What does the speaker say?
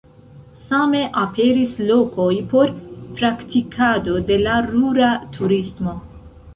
Same aperis lokoj por praktikado de la rura turismo.